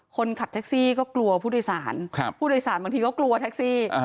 คนขับแท็กซี่ก็กลัวผู้โดยสารผู้โดยสารบางทีก็กลัวแท็กซี่